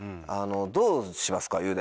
どうしますか？